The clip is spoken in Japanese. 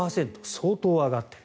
相当上がっている。